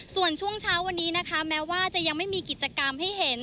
ส่วนช่วงเช้าวันนี้นะคะแม้ว่าจะยังไม่มีกิจกรรมให้เห็น